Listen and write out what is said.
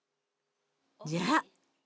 じゃあ。